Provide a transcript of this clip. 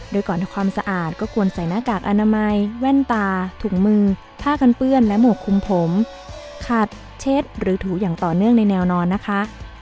โดยก่อนทำความสะอาดก็ควรใส่หน้ากากอนามัยแว่นตาถุงมือผ้ากันเปื้อนและหมวกคุมผมขัดเช็ดหรือถูอย่างต่อเนื่องในแนวนอนนะคะ